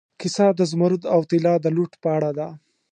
کیسه د زمرد او طلا د لوټ په اړه ده.